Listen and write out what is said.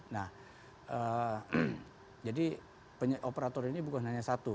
nah jadi operator ini bukan hanya satu